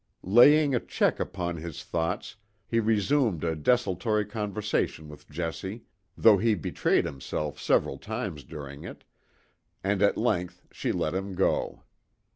Laying a check upon his thoughts, he resumed a desultory conversation with Jessie, though he betrayed himself several times during it, and at length she let him go.